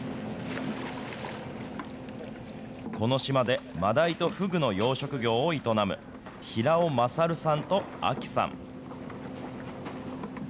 この島でマダイとフグの養殖業を営む平尾優さんと有希さん。